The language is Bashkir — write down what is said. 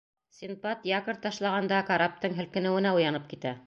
Синдбад якорь ташлағанда караптың һелкенеүенә уянып китә.